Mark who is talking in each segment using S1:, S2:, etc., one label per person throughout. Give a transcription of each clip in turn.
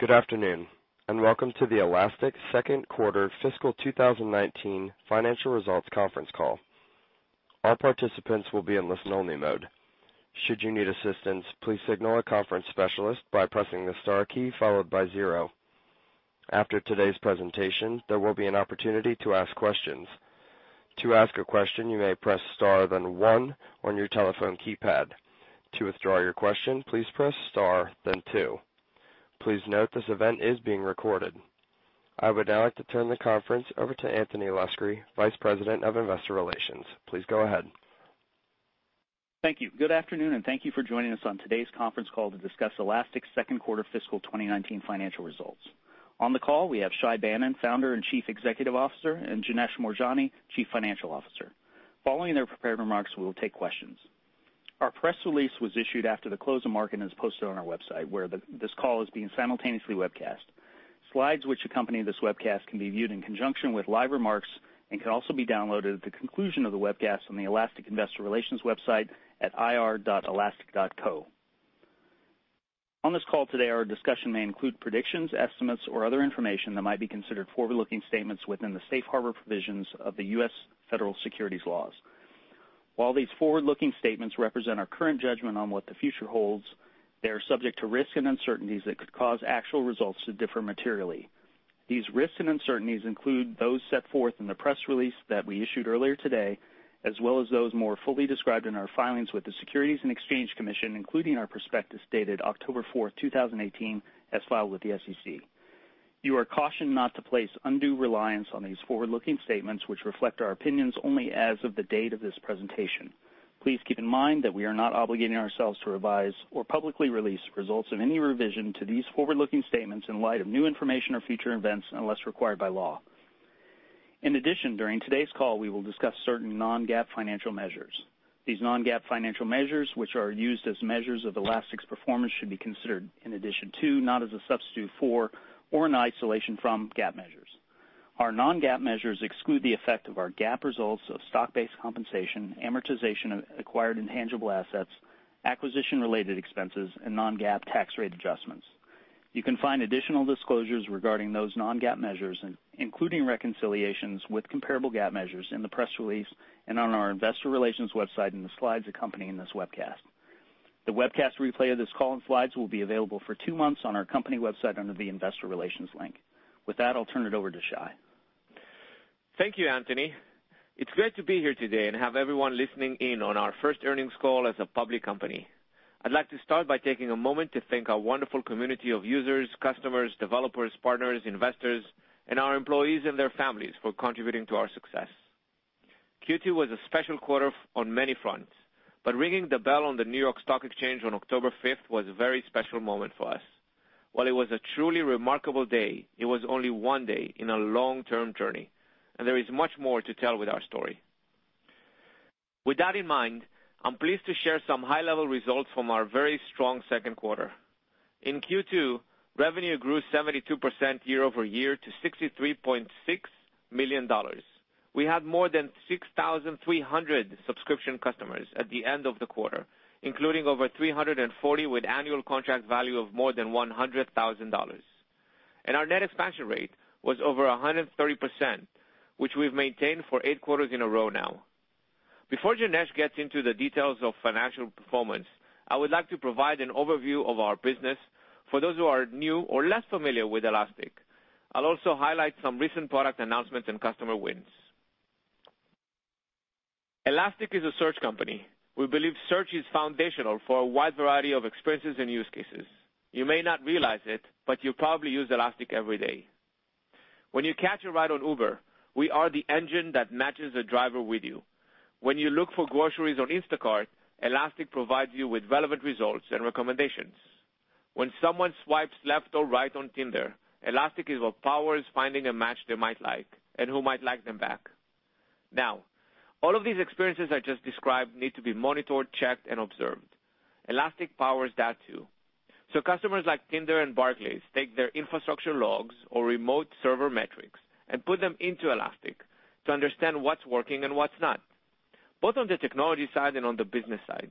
S1: Good afternoon, welcome to the Elastic second quarter fiscal 2019 financial results conference call. All participants will be in listen only mode. Should you need assistance, please signal a conference specialist by pressing the star key followed by zero. After today's presentation, there will be an opportunity to ask questions. To ask a question, you may press star, one on your telephone keypad. To withdraw your question, please press star two. Please note this event is being recorded. I would now like to turn the conference over to Anthony Luscri, Vice President of Investor Relations. Please go ahead.
S2: Thank you. Good afternoon, thank you for joining us on today's conference call to discuss Elastic's second quarter fiscal 2019 financial results. On the call, we have Shay Banon, Founder and Chief Executive Officer, and Janesh Moorjani, Chief Financial Officer. Following their prepared remarks, we will take questions. Our press release was issued after the close of market and is posted on our website, where this call is being simultaneously webcast. Slides which accompany this webcast can be viewed in conjunction with live remarks and can also be downloaded at the conclusion of the webcast on the Elastic investor relations website at ir.elastic.co. On this call today, our discussion may include predictions, estimates, or other information that might be considered forward-looking statements within the safe harbor provisions of the U.S. Federal Securities laws. While these forward-looking statements represent our current judgment on what the future holds, they are subject to risks and uncertainties that could cause actual results to differ materially. These risks and uncertainties include those set forth in the press release that we issued earlier today, as well as those more fully described in our filings with the Securities and Exchange Commission, including our prospectus dated October fourth, 2018 as filed with the SEC. You are cautioned not to place undue reliance on these forward-looking statements which reflect our opinions only as of the date of this presentation. Please keep in mind that we are not obligating ourselves to revise or publicly release results of any revision to these forward-looking statements in light of new information or future events unless required by law. In addition, during today's call, we will discuss certain non-GAAP financial measures. These non-GAAP financial measures, which are used as measures of Elastic's performance, should be considered in addition to, not as a substitute for, or in isolation from GAAP measures. Our non-GAAP measures exclude the effect of our GAAP results of stock-based compensation, amortization of acquired intangible assets, acquisition-related expenses, and non-GAAP tax rate adjustments. You can find additional disclosures regarding those non-GAAP measures, including reconciliations with comparable GAAP measures in the press release and on our investor relations website in the slides accompanying this webcast. The webcast replay of this call and slides will be available for two months on our company website under the investor relations link. With that, I'll turn it over to Shay.
S3: Thank you, Anthony. It's great to be here today and have everyone listening in on our first earnings call as a public company. I'd like to start by taking a moment to thank our wonderful community of users, customers, developers, partners, investors, and our employees and their families for contributing to our success. Q2 was a special quarter on many fronts, but ringing the bell on the New York Stock Exchange on October fifth was a very special moment for us. While it was a truly remarkable day, it was only one day in a long-term journey, and there is much more to tell with our story. With that in mind, I'm pleased to share some high-level results from our very strong second quarter. In Q2, revenue grew 72% year-over-year to $63.6 million. We had more than 6,300 subscription customers at the end of the quarter, including over 340 with annual contract value of more than $100,000. Our net expansion rate was over 130%, which we've maintained for eight quarters in a row now. Before Janesh gets into the details of financial performance, I would like to provide an overview of our business for those who are new or less familiar with Elastic. I'll also highlight some recent product announcements and customer wins. Elastic is a search company. We believe search is foundational for a wide variety of experiences and use cases. You may not realize it, but you probably use Elastic every day. When you catch a ride on Uber, we are the engine that matches a driver with you. When you look for groceries on Instacart, Elastic provides you with relevant results and recommendations. When someone swipes left or right on Tinder, Elastic is what power is finding a match they might like and who might like them back. All of these experiences I just described need to be monitored, checked, and observed. Elastic powers that too. Customers like Tinder and Barclays take their infrastructure logs or remote server metrics and put them into Elastic to understand what's working and what's not, both on the technology side and on the business side.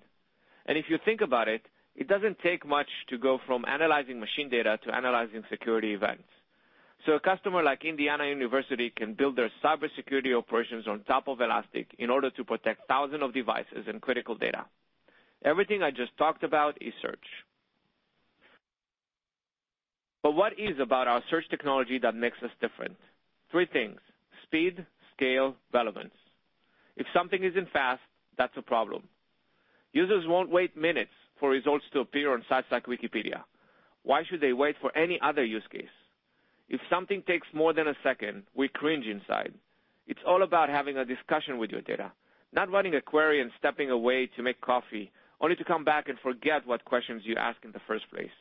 S3: If you think about it doesn't take much to go from analyzing machine data to analyzing security events. A customer like Indiana University can build their cybersecurity operations on top of Elastic in order to protect thousands of devices and critical data. Everything I just talked about is search. What is about our search technology that makes us different? Three things: speed, scale, relevance. If something isn't fast, that's a problem. Users won't wait minutes for results to appear on sites like Wikipedia. Why should they wait for any other use case? If something takes more than a second, we cringe inside. It's all about having a discussion with your data, not running a query and stepping away to make coffee, only to come back and forget what questions you asked in the first place.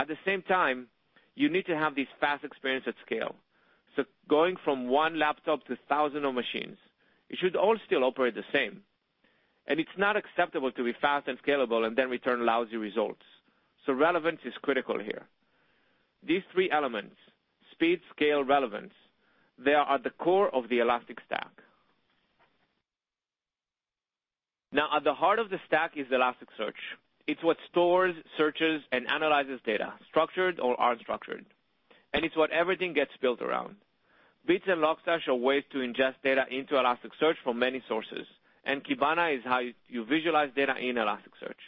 S3: At the same time, you need to have this fast experience at scale. Going from one laptop to thousand of machines, it should all still operate the same. It's not acceptable to be fast and scalable and then return lousy results. Relevance is critical here. These three elements, speed, scale, relevance, they are at the core of the Elastic Stack. At the heart of the stack is Elasticsearch. It's what stores, searches, and analyzes data, structured or unstructured, and it's what everything gets built around. Beats and Logstash are ways to ingest data into Elasticsearch from many sources, and Kibana is how you visualize data in Elasticsearch.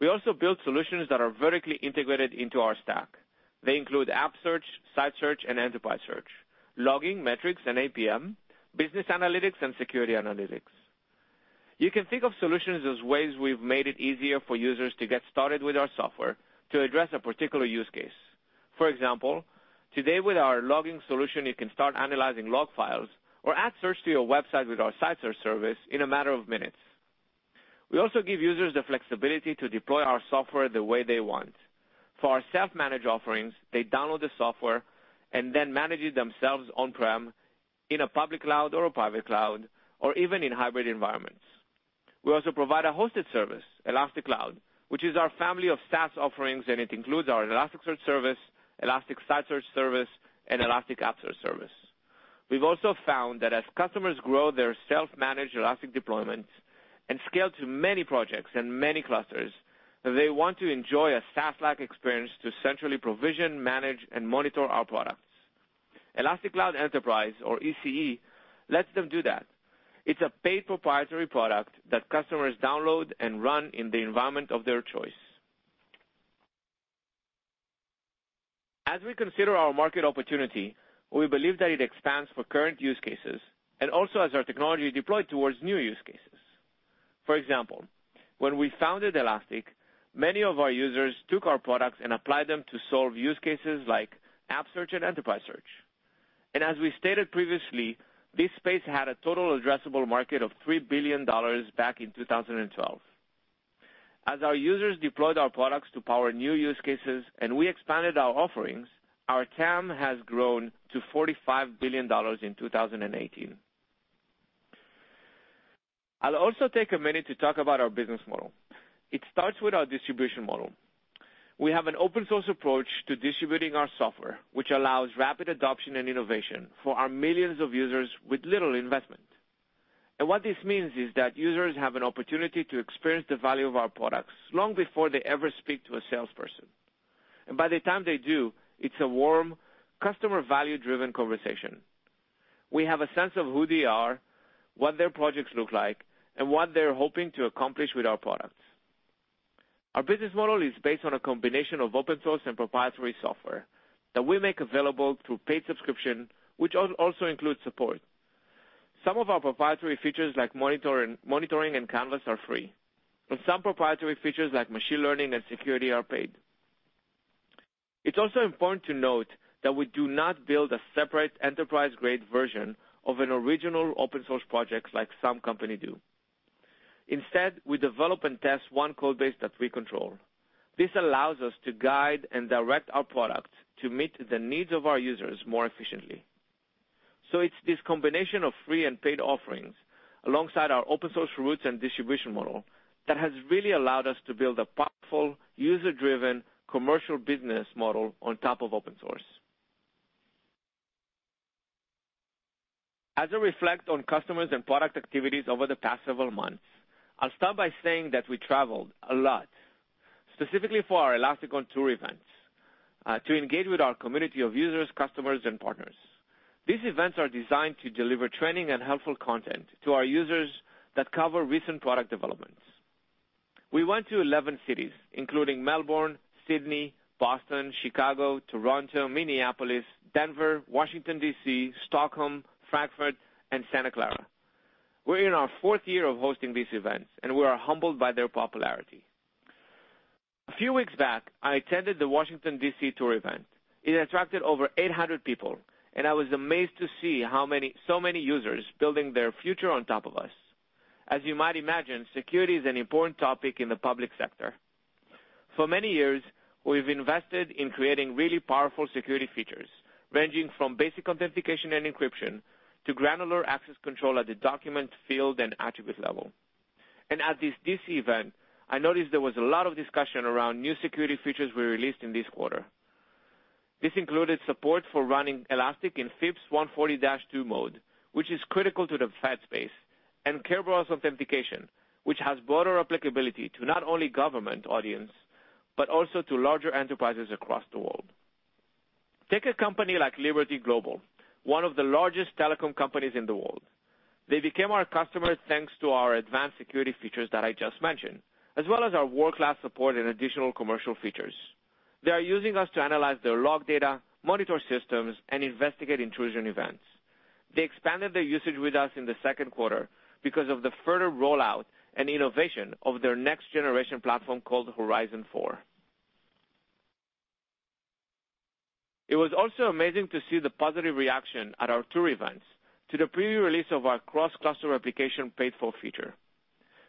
S3: We also build solutions that are vertically integrated into our stack. They include App Search, Site Search, and Enterprise Search, logging, metrics and APM, business analytics, and security analytics. You can think of solutions as ways we've made it easier for users to get started with our software to address a particular use case. For example, today with our logging solution, you can start analyzing log files or add search to your website with our Site Search service in a matter of minutes. We also give users the flexibility to deploy our software the way they want. For our self-managed offerings, they download the software and then manage it themselves on-prem in a public cloud or a private cloud, or even in hybrid environments. We also provide a hosted service, Elastic Cloud, which is our family of SaaS offerings, and it includes our Elasticsearch Service, Elastic Site Search service, and Elastic App Search service. We've also found that as customers grow their self-managed Elastic deployments and scale to many projects and many clusters, that they want to enjoy a SaaS-like experience to centrally provision, manage, and monitor our products. Elastic Cloud Enterprise, or ECE, lets them do that. It's a paid proprietary product that customers download and run in the environment of their choice. As we consider our market opportunity, we believe that it expands for current use cases and also as our technology is deployed towards new use cases. For example, when we founded Elastic, many of our users took our products and applied them to solve use cases like App Search and Enterprise Search. As we stated previously, this space had a total addressable market of $3 billion back in 2012. As our users deployed our products to power new use cases and we expanded our offerings, our TAM has grown to $45 billion in 2018. I'll also take a minute to talk about our business model. It starts with our distribution model. We have an open source approach to distributing our software, which allows rapid adoption and innovation for our millions of users with little investment. What this means is that users have an opportunity to experience the value of our products long before they ever speak to a salesperson. By the time they do, it's a warm, customer value-driven conversation. We have a sense of who they are, what their projects look like, and what they're hoping to accomplish with our products. Our business model is based on a combination of open source and proprietary software that we make available through paid subscription, which also includes support. Some of our proprietary features like monitoring and Canvas are free, but some proprietary features like machine learning and security are paid. It's also important to note that we do not build a separate enterprise-grade version of an original open source projects like some company do. Instead, we develop and test one code base that we control. This allows us to guide and direct our product to meet the needs of our users more efficiently. It's this combination of free and paid offerings, alongside our open source roots and distribution model, that has really allowed us to build a powerful, user-driven commercial business model on top of open source. As I reflect on customers and product activities over the past several months, I'll start by saying that we traveled a lot, specifically for our ElasticON Tour events, to engage with our community of users, customers, and partners. These events are designed to deliver training and helpful content to our users that cover recent product developments. We went to 11 cities, including Melbourne, Sydney, Boston, Chicago, Toronto, Minneapolis, Denver, Washington, D.C., Stockholm, Frankfurt, and Santa Clara. We're in our fourth year of hosting these events, and we are humbled by their popularity. A few weeks back, I attended the Washington, D.C. tour event. It attracted over 800 people. I was amazed to see so many users building their future on top of us. As you might imagine, security is an important topic in the public sector. For many years, we've invested in creating really powerful security features, ranging from basic authentication and encryption to granular access control at the document, field, and attribute level. At this D.C. event, I noticed there was a lot of discussion around new security features we released in this quarter. This included support for running Elastic in FIPS 140-2 mode, which is critical to the Fed space, and Kerberos authentication, which has broader applicability to not only government audience, but also to larger enterprises across the world. Take a company like Liberty Global, one of the largest telecom companies in the world. They became our customers thanks to our advanced security features that I just mentioned, as well as our world-class support and additional commercial features. They are using us to analyze their log data, monitor systems, and investigate intrusion events. They expanded their usage with us in the second quarter because of the further rollout and innovation of their next generation platform called Horizon 4. It was also amazing to see the positive reaction at our tour events to the preview release of our cross-cluster replication paid-for feature,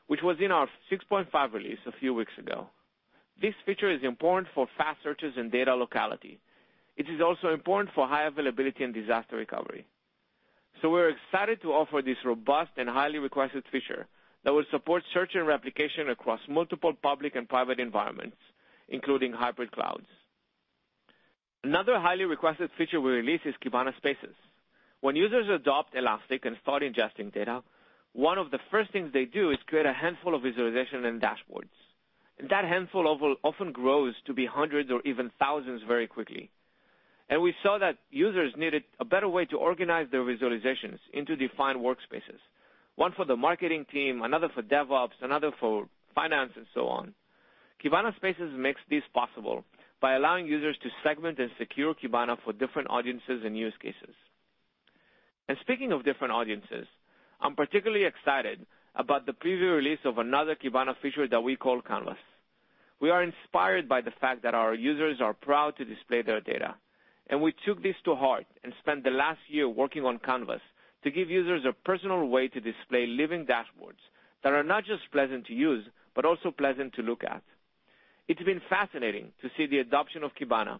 S3: which was in our 6.5 release a few weeks ago. This feature is important for fast searches and data locality. It is also important for high availability and disaster recovery. We're excited to offer this robust and highly requested feature that will support search and replication across multiple public and private environments, including hybrid clouds. Another highly requested feature we released is Kibana Spaces. When users adopt Elastic and start ingesting data, one of the first things they do is create a handful of visualization and dashboards. That handful often grows to be hundreds or even thousands very quickly. We saw that users needed a better way to organize their visualizations into defined workspaces, one for the marketing team, another for DevOps, another for finance, and so on. Kibana Spaces makes this possible by allowing users to segment and secure Kibana for different audiences and use cases. Speaking of different audiences, I'm particularly excited about the preview release of another Kibana feature that we call Canvas. We are inspired by the fact that our users are proud to display their data, and we took this to heart and spent the last year working on Canvas to give users a personal way to display living dashboards that are not just pleasant to use, but also pleasant to look at. It's been fascinating to see the adoption of Kibana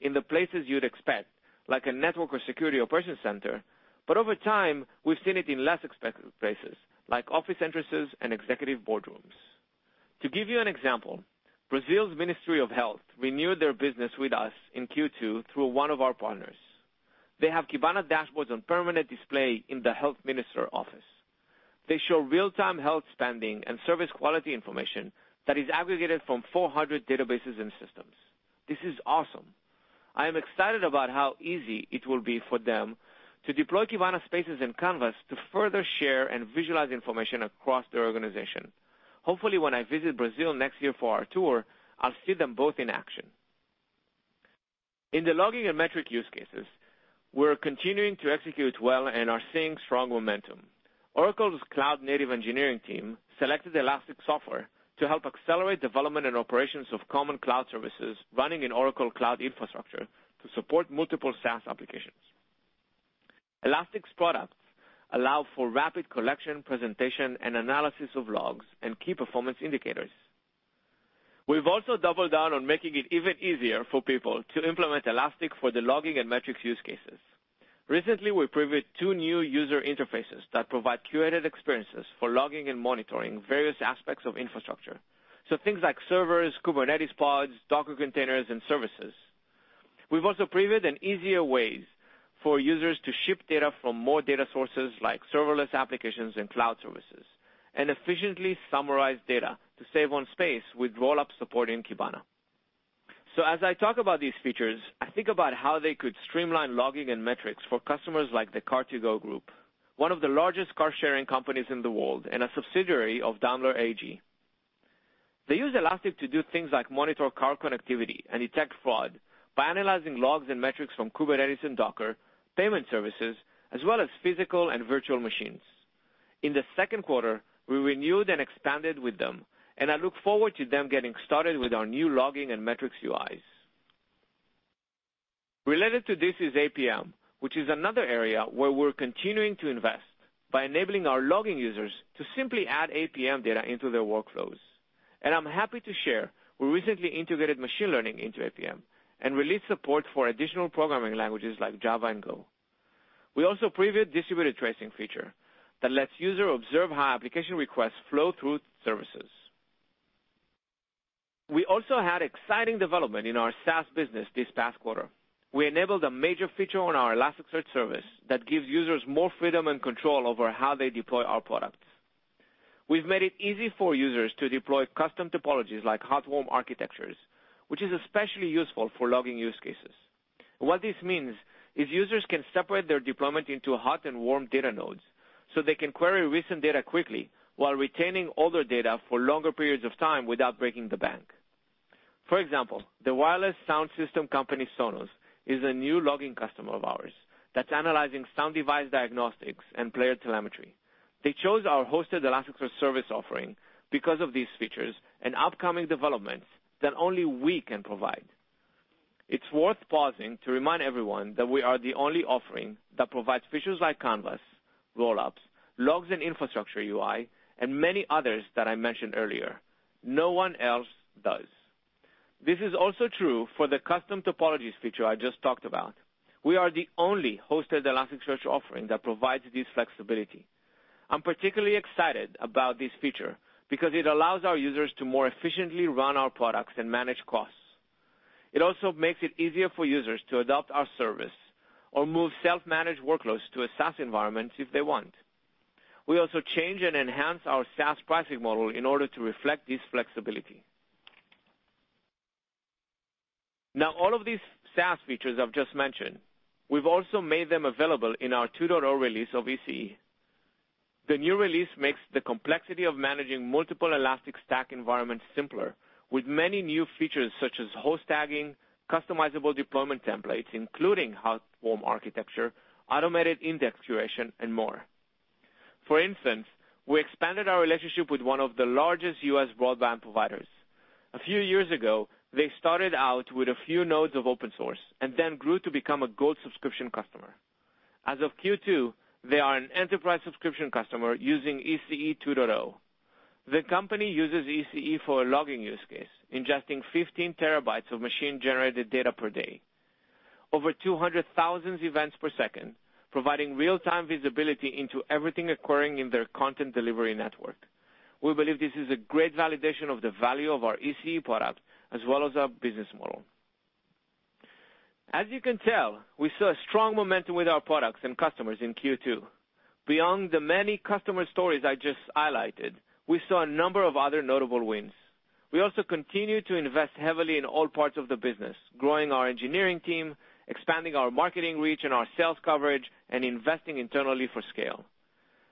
S3: in the places you'd expect, like a network or security operations center, but over time, we've seen it in less expected places, like office entrances and executive boardrooms. To give you an example, Brazil's Ministry of Health renewed their business with us in Q2 through one of our partners. They have Kibana dashboards on permanent display in the health minister office. They show real-time health spending and service quality information that is aggregated from 400 databases and systems. This is awesome. I am excited about how easy it will be for them to deploy Kibana Spaces and Canvas to further share and visualize information across their organization. Hopefully, when I visit Brazil next year for our tour, I'll see them both in action. In the logging and metric use cases, we're continuing to execute well and are seeing strong momentum. Oracle's cloud-native engineering team selected the Elastic software to help accelerate development and operations of common cloud services running in Oracle Cloud Infrastructure to support multiple SaaS applications. Elastic's products allow for rapid collection, presentation, and analysis of logs and key performance indicators. We've also doubled down on making it even easier for people to implement Elastic for the logging and metrics use cases. Recently, we previewed two new user interfaces that provide curated experiences for logging and monitoring various aspects of infrastructure. Things like servers, Kubernetes pods, Docker containers, and services. We've also previewed easier ways for users to ship data from more data sources like serverless applications and cloud services, and efficiently summarize data to save on space with roll-up support in Kibana. As I talk about these features, I think about how they could streamline logging and metrics for customers like the Car2Go group, one of the largest car-sharing companies in the world, and a subsidiary of Daimler AG. They use Elastic to do things like monitor car connectivity and detect fraud by analyzing logs and metrics from Kubernetes and Docker, payment services, as well as physical and virtual machines. In the second quarter, we renewed and expanded with them, and I look forward to them getting started with our new logging and metrics UIs. Related to this is APM, which is another area where we're continuing to invest by enabling our logging users to simply add APM data into their workflows. I'm happy to share we recently integrated machine learning into APM and released support for additional programming languages like Java and Go. We also previewed distributed tracing feature that lets user observe how application requests flow through services. We also had exciting development in our SaaS business this past quarter. We enabled a major feature on our Elasticsearch Service that gives users more freedom and control over how they deploy our products. We've made it easy for users to deploy custom topologies like hot-warm architectures, which is especially useful for logging use cases. What this means is users can separate their deployment into hot and warm data nodes so they can query recent data quickly while retaining older data for longer periods of time without breaking the bank. For example, the wireless sound system company Sonos is a new logging customer of ours that's analyzing sound device diagnostics and player telemetry. They chose our hosted Elasticsearch Service offering because of these features and upcoming developments that only we can provide. It's worth pausing to remind everyone that we are the only offering that provides features like Canvas, roll-ups, logs and infrastructure UI, and many others that I mentioned earlier. No one else does. This is also true for the custom topologies feature I just talked about. We are the only hosted Elasticsearch offering that provides this flexibility. I'm particularly excited about this feature because it allows our users to more efficiently run our products and manage costs. It also makes it easier for users to adopt our service or move self-managed workloads to a SaaS environment if they want. We also change and enhance our SaaS pricing model in order to reflect this flexibility. All of these SaaS features I've just mentioned, we've also made them available in our 2.0 release of ECE. The new release makes the complexity of managing multiple Elastic Stack environments simpler, with many new features such as host tagging, customizable deployment templates, including hot-warm architecture, automated index curation, and more. For instance, we expanded our relationship with one of the largest U.S. broadband providers. A few years ago, they started out with a few nodes of open source and then grew to become a Gold subscription customer. As of Q2, they are an enterprise subscription customer using ECE 2.0. The company uses ECE for a logging use case, ingesting 15 terabytes of machine-generated data per day, over 200,000 events per second, providing real-time visibility into everything occurring in their content delivery network. We believe this is a great validation of the value of our ECE product as well as our business model. As you can tell, we saw a strong momentum with our products and customers in Q2. Beyond the many customer stories I just highlighted, we saw a number of other notable wins. We also continue to invest heavily in all parts of the business, growing our engineering team, expanding our marketing reach and our sales coverage, and investing internally for scale.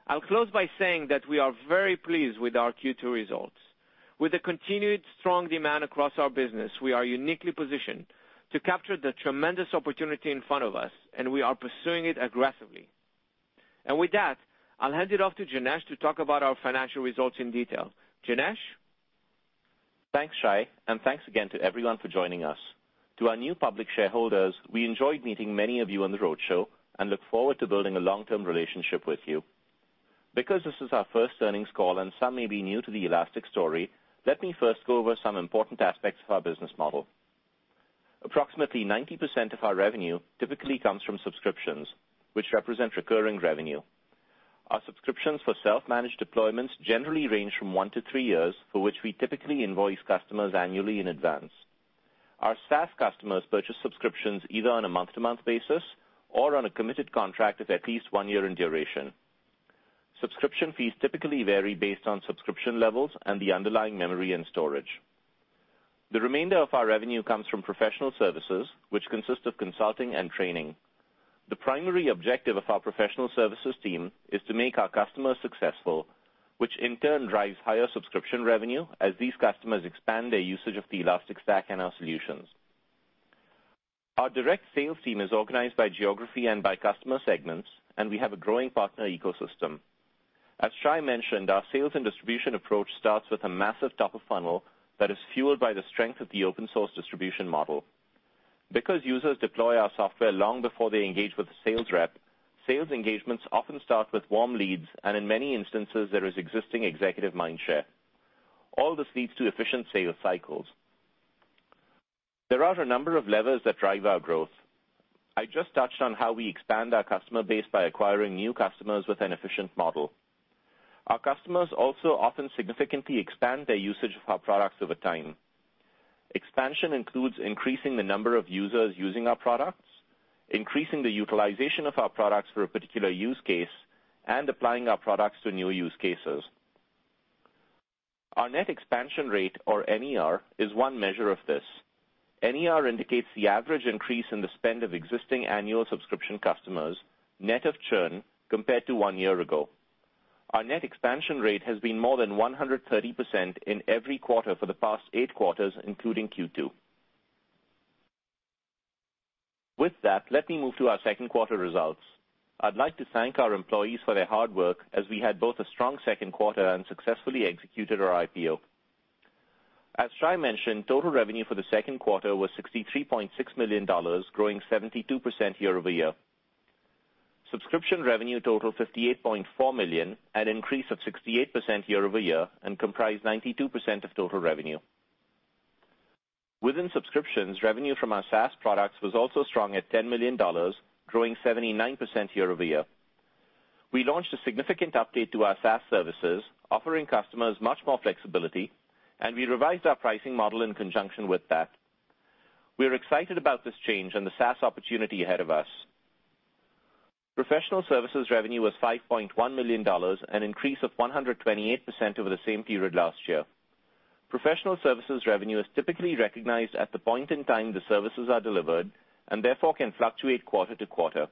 S3: I'll close by saying that we are very pleased with our Q2 results. With a continued strong demand across our business, we are uniquely positioned to capture the tremendous opportunity in front of us, and we are pursuing it aggressively. With that, I'll hand it off to Janesh to talk about our financial results in detail. Janesh?
S4: Thanks, Shay, and thanks again to everyone for joining us. To our new public shareholders, we enjoyed meeting many of you on the roadshow and look forward to building a long-term relationship with you. Because this is our first earnings call and some may be new to the Elastic story, let me first go over some important aspects of our business model. Approximately 90% of our revenue typically comes from subscriptions, which represent recurring revenue. Our subscriptions for self-managed deployments generally range from one to three years, for which we typically invoice customers annually in advance. Our SaaS customers purchase subscriptions either on a month-to-month basis or on a committed contract of at least one year in duration. Subscription fees typically vary based on subscription levels and the underlying memory and storage. The remainder of our revenue comes from professional services, which consist of consulting and training. The primary objective of our professional services team is to make our customers successful, which in turn drives higher subscription revenue as these customers expand their usage of the Elastic Stack and our solutions. Our direct sales team is organized by geography and by customer segments, and we have a growing partner ecosystem. As Shay mentioned, our sales and distribution approach starts with a massive top of funnel that is fueled by the strength of the open source distribution model. Because users deploy our software long before they engage with a sales rep, sales engagements often start with warm leads, and in many instances, there is existing executive mindshare. All this leads to efficient sales cycles. There are a number of levers that drive our growth. I just touched on how we expand our customer base by acquiring new customers with an efficient model. Our customers also often significantly expand their usage of our products over time. Expansion includes increasing the number of users using our products, increasing the utilization of our products for a particular use case, and applying our products to new use cases. Our net expansion rate, or NER, is one measure of this. NER indicates the average increase in the spend of existing annual subscription customers, net of churn, compared to one year ago. Our net expansion rate has been more than 130% in every quarter for the past eight quarters, including Q2. With that, let me move to our second quarter results. I'd like to thank our employees for their hard work as we had both a strong second quarter and successfully executed our IPO. As Shay mentioned, total revenue for the second quarter was $63.6 million, growing 72% year-over-year. Subscription revenue totaled $58.4 million, an increase of 68% year-over-year and comprised 92% of total revenue. Within subscriptions, revenue from our SaaS products was also strong at $10 million, growing 79% year-over-year. We launched a significant update to our SaaS services, offering customers much more flexibility, and we revised our pricing model in conjunction with that. We are excited about this change and the SaaS opportunity ahead of us. Professional services revenue was $5.1 million, an increase of 128% over the same period last year. Professional services revenue is typically recognized at the point in time the services are delivered, and therefore can fluctuate quarter to quarter.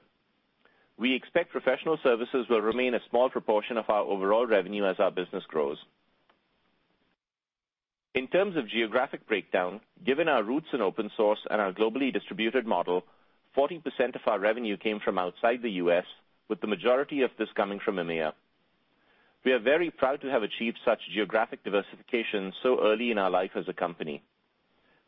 S4: We expect professional services will remain a small proportion of our overall revenue as our business grows. In terms of geographic breakdown, given our roots in open source and our globally distributed model, 40% of our revenue came from outside the U.S., with the majority of this coming from EMEA. We are very proud to have achieved such geographic diversification so early in our life as a company.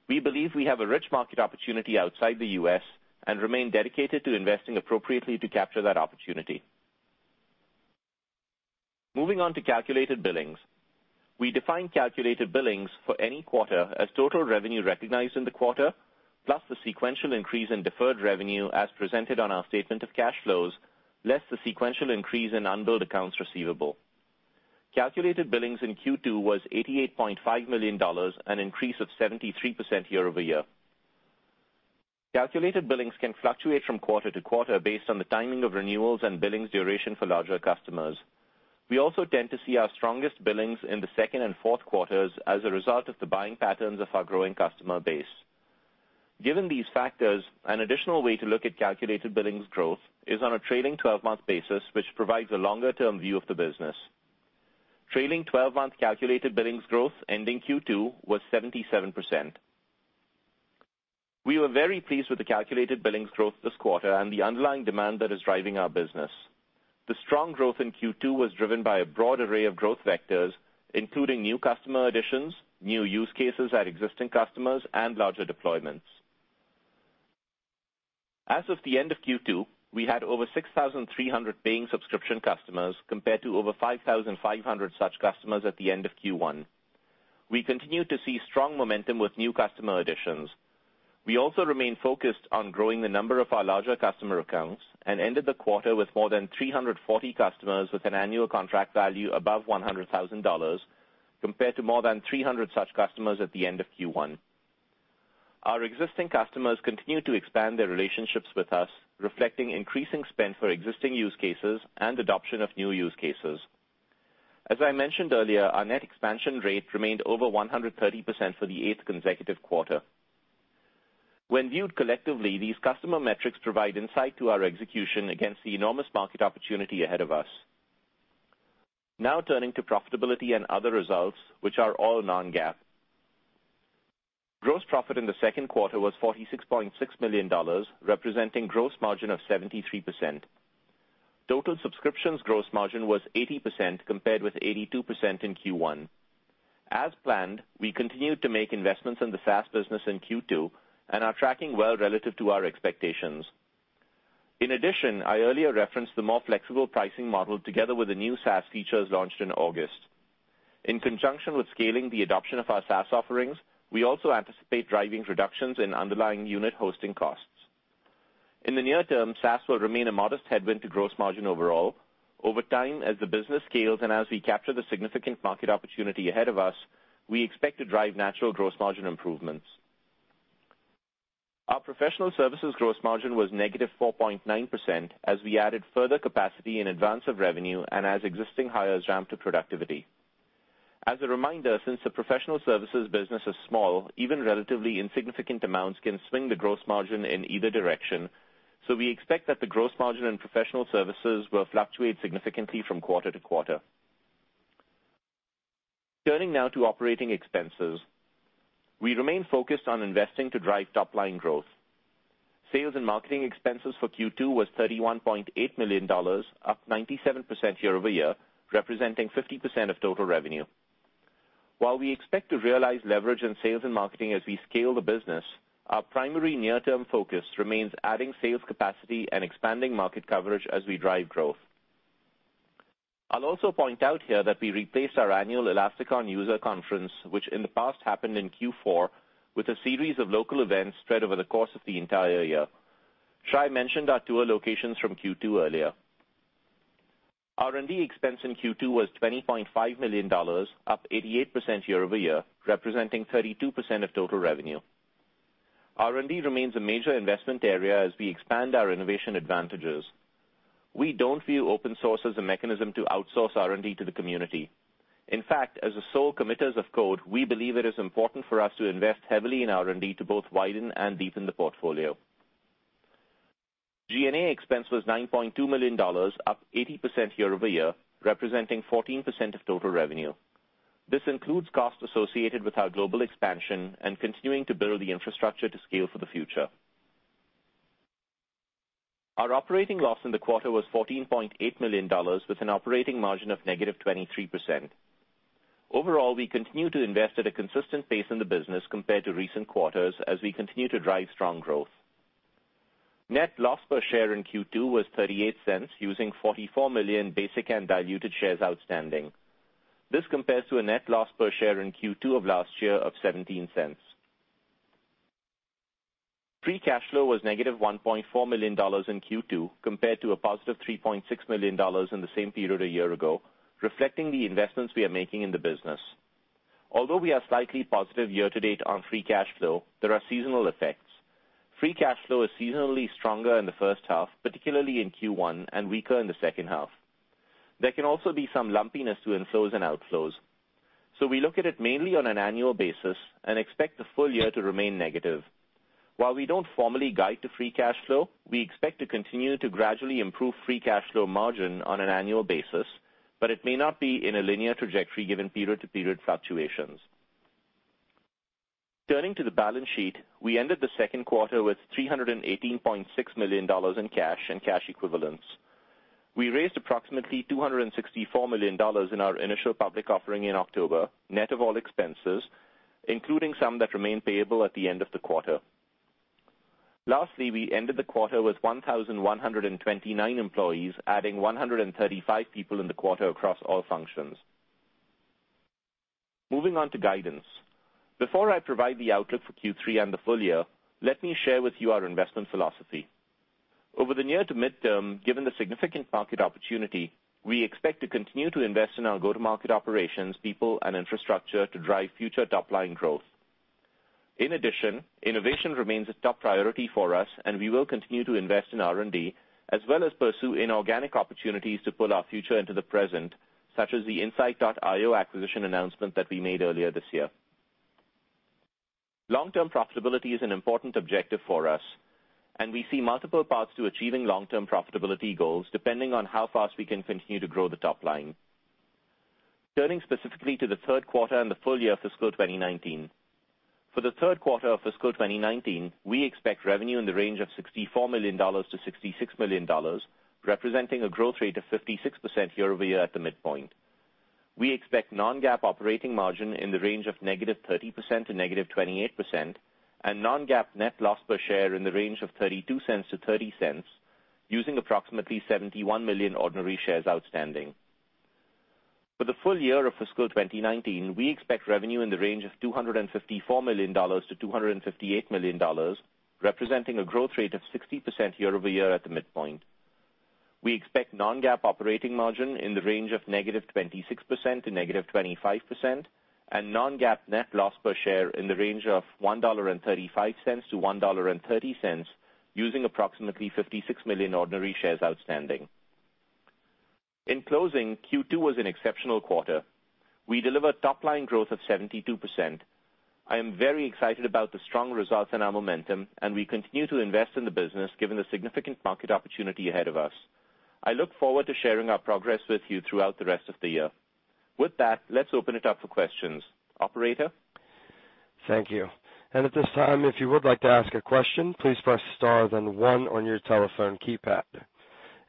S4: We believe we have a rich market opportunity outside the U.S. and remain dedicated to investing appropriately to capture that opportunity. Moving on to calculated billings. We define calculated billings for any quarter as total revenue recognized in the quarter, plus the sequential increase in deferred revenue as presented on our statement of cash flows, less the sequential increase in unbilled accounts receivable. Calculated billings in Q2 was $88.5 million, an increase of 73% year-over-year. Calculated billings can fluctuate from quarter to quarter based on the timing of renewals and billings duration for larger customers. We also tend to see our strongest billings in the second and fourth quarters as a result of the buying patterns of our growing customer base. Given these factors, an additional way to look at calculated billings growth is on a trailing 12-month basis, which provides a longer-term view of the business. Trailing 12-month calculated billings growth ending Q2 was 77%. We were very pleased with the calculated billings growth this quarter and the underlying demand that is driving our business. The strong growth in Q2 was driven by a broad array of growth vectors, including new customer additions, new use cases at existing customers, and larger deployments. As of the end of Q2, we had over 6,300 paying subscription customers compared to over 5,500 such customers at the end of Q1. We continue to see strong momentum with new customer additions. We also remain focused on growing the number of our larger customer accounts and ended the quarter with more than 340 customers with an annual contract value above $100,000, compared to more than 300 such customers at the end of Q1. Our existing customers continue to expand their relationships with us, reflecting increasing spend for existing use cases and adoption of new use cases. As I mentioned earlier, our net expansion rate remained over 130% for the eighth consecutive quarter. Now turning to profitability and other results, which are all non-GAAP. Gross profit in the second quarter was $46.6 million, representing gross margin of 73%. Total subscriptions gross margin was 80%, compared with 82% in Q1. As planned, we continued to make investments in the SaaS business in Q2 and are tracking well relative to our expectations. In addition, I earlier referenced the more flexible pricing model together with the new SaaS features launched in August. In conjunction with scaling the adoption of our SaaS offerings, we also anticipate driving reductions in underlying unit hosting costs. In the near term, SaaS will remain a modest headwind to gross margin overall. Over time, as the business scales and as we capture the significant market opportunity ahead of us, we expect to drive natural gross margin improvements. Our professional services gross margin was negative 4.9% as we added further capacity in advance of revenue and as existing hires ramp to productivity. As a reminder, since the professional services business is small, even relatively insignificant amounts can swing the gross margin in either direction. We expect that the gross margin in professional services will fluctuate significantly from quarter to quarter. Turning now to operating expenses. We remain focused on investing to drive top-line growth. Sales and marketing expenses for Q2 was $31.8 million, up 97% year-over-year, representing 50% of total revenue. While we expect to realize leverage in sales and marketing as we scale the business, our primary near-term focus remains adding sales capacity and expanding market coverage as we drive growth. I'll also point out here that we replaced our annual ElasticON user conference, which in the past happened in Q4, with a series of local events spread over the course of the entire year. Shay mentioned our tour locations from Q2 earlier. R&D expense in Q2 was $20.5 million, up 88% year-over-year, representing 32% of total revenue. R&D remains a major investment area as we expand our innovation advantages. We don't view open source as a mechanism to outsource R&D to the community. In fact, as the sole committers of code, we believe it is important for us to invest heavily in R&D to both widen and deepen the portfolio. G&A expense was $9.2 million, up 80% year-over-year, representing 14% of total revenue. This includes costs associated with our global expansion and continuing to build the infrastructure to scale for the future. Our operating loss in the quarter was $14.8 million, with an operating margin of negative 23%. Overall, we continue to invest at a consistent pace in the business compared to recent quarters as we continue to drive strong growth. Net loss per share in Q2 was $0.38, using 44 million basic and diluted shares outstanding. This compares to a net loss per share in Q2 of last year of $0.17. Free cash flow was negative $1.4 million in Q2, compared to a positive $3.6 million in the same period a year ago, reflecting the investments we are making in the business. Although we are slightly positive year-to-date on free cash flow, there are seasonal effects. Free cash flow is seasonally stronger in the first half, particularly in Q1, and weaker in the second half. There can also be some lumpiness to inflows and outflows. We look at it mainly on an annual basis and expect the full year to remain negative. While we don't formally guide to free cash flow, we expect to continue to gradually improve free cash flow margin on an annual basis, but it may not be in a linear trajectory given period-to-period fluctuations. Turning to the balance sheet. We ended the second quarter with $318.6 million in cash and cash equivalents. We raised approximately $264 million in our initial public offering in October, net of all expenses, including some that remained payable at the end of the quarter. Lastly, we ended the quarter with 1,129 employees, adding 135 people in the quarter across all functions. Moving on to guidance. Before I provide the outlook for Q3 and the full year, let me share with you our investment philosophy. Over the near to mid-term, given the significant market opportunity, we expect to continue to invest in our go-to-market operations, people and infrastructure to drive future top-line growth. In addition, innovation remains a top priority for us, and we will continue to invest in R&D, as well as pursue inorganic opportunities to pull our future into the present, such as the Insight.io acquisition announcement that we made earlier this year. Long-term profitability is an important objective for us, and we see multiple paths to achieving long-term profitability goals, depending on how fast we can continue to grow the top line. Turning specifically to the third quarter and the full year of fiscal 2019. For the third quarter of fiscal 2019, we expect revenue in the range of $64 million-$66 million, representing a growth rate of 56% year-over-year at the midpoint. We expect non-GAAP operating margin in the range of -30% to -28%, and non-GAAP net loss per share in the range of $0.32-$0.30 using approximately 71 million ordinary shares outstanding. For the full year of fiscal 2019, we expect revenue in the range of $254 million-$258 million, representing a growth rate of 60% year-over-year at the midpoint. We expect non-GAAP operating margin in the range of -26% to -25%, and non-GAAP net loss per share in the range of $1.35-$1.30, using approximately 56 million ordinary shares outstanding. In closing, Q2 was an exceptional quarter. We delivered top-line growth of 72%. I am very excited about the strong results and our momentum, and we continue to invest in the business, given the significant market opportunity ahead of us. I look forward to sharing our progress with you throughout the rest of the year. With that, let's open it up for questions. Operator?
S1: Thank you. At this time, if you would like to ask a question, please press star then one on your telephone keypad.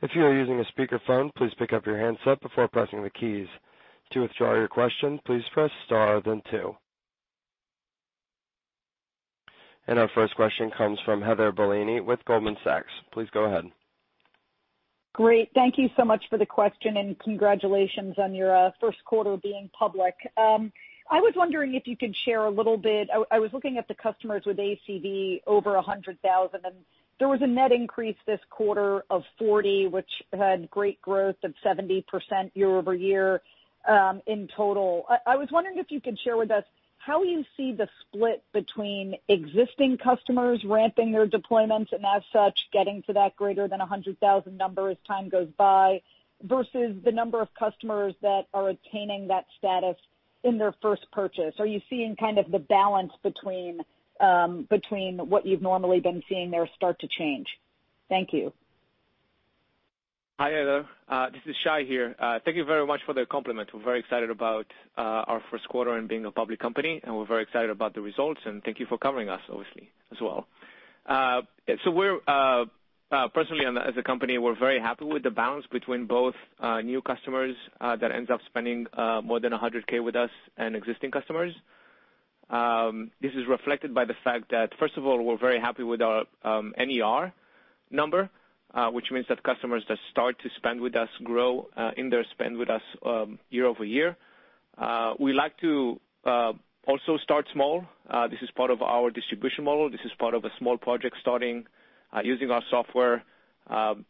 S1: If you are using a speakerphone, please pick up your handset before pressing the keys. To withdraw your question, please press star then two. Our first question comes from Heather Bellini with Goldman Sachs. Please go ahead.
S5: Great. Thank you so much for the question, and congratulations on your first quarter being public. I was wondering if you could share a little bit. I was looking at the customers with ACV over 100,000, and there was a net increase this quarter of 40, which had great growth of 70% year-over-year in total. I was wondering if you could share with us how you see the split between existing customers ramping their deployments, and as such, getting to that greater than 100,000 number as time goes by, versus the number of customers that are attaining that status in their first purchase. Are you seeing the balance between what you've normally been seeing there start to change? Thank you.
S3: Hi, Heather. This is Shay here. Thank you very much for the compliment. We're very excited about our first quarter and being a public company. We're very excited about the results, and thank you for covering us, obviously, as well. We're, personally and as a company, we're very happy with the balance between both new customers that ends up spending more than 100K with us and existing customers. This is reflected by the fact that, first of all, we're very happy with our NER number, which means that customers that start to spend with us grow in their spend with us year-over-year. We like to also start small. This is part of our distribution model. This is part of a small project starting, using our software,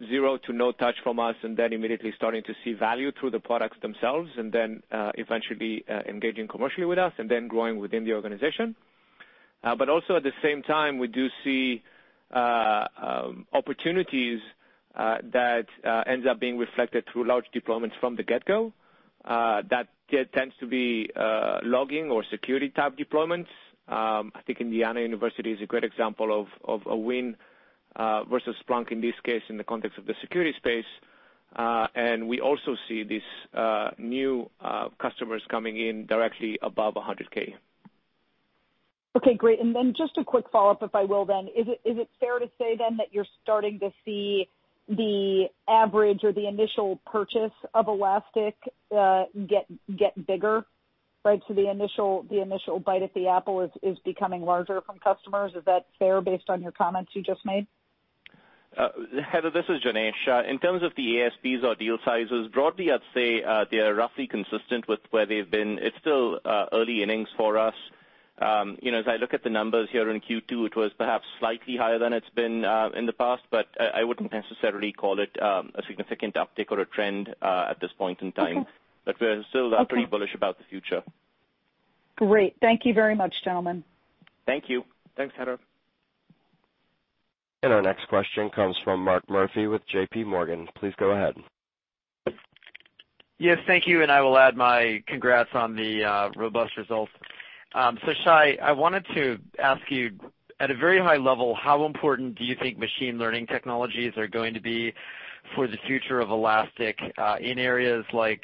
S3: zero to no touch from us, immediately starting to see value through the products themselves, eventually, engaging commercially with us, and then growing within the organization. Also at the same time, we do see opportunities that ends up being reflected through large deployments from the get-go. That tends to be logging or security-type deployments. I think Indiana University is a great example of a win versus Splunk in this case in the context of the security space. We also see these new customers coming in directly above 100K.
S5: Okay, great. Just a quick follow-up, if I will then. Is it fair to say then that you're starting to see the average or the initial purchase of Elastic get bigger? Right, the initial bite at the apple is becoming larger from customers. Is that fair based on your comments you just made?
S4: Heather, this is Janesh. In terms of the ASPs or deal sizes, broadly, I'd say they are roughly consistent with where they've been. It's still early innings for us. As I look at the numbers here in Q2, it was perhaps slightly higher than it's been in the past, I wouldn't necessarily call it a significant uptick or a trend at this point in time.
S5: Okay.
S4: we're still-
S5: Okay
S4: We're pretty bullish about the future.
S5: Great. Thank you very much, gentlemen.
S4: Thank you.
S3: Thanks, Heather.
S1: Our next question comes from Mark Murphy with JPMorgan. Please go ahead.
S6: Yes, thank you, and I will add my congrats on the robust results. Shay, I wanted to ask you, at a very high level, how important do you think machine learning technologies are going to be for the future of Elastic, in areas like